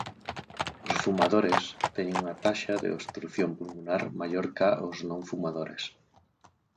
Os fumadores teñen unha taxa de obstrución pulmonar maior ca os non fumadores.